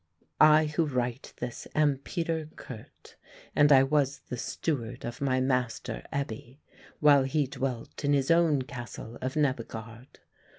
I who write this am Peter Kurt, and I was the steward of my master Ebbe while he dwelt in his own castle of Nebbegaard.